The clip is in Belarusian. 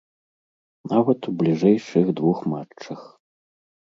Нават у бліжэйшых двух матчах.